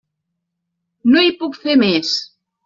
No hi puc fer més.